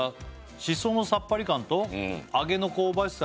「しそのさっぱり感と揚げの香ばしさが」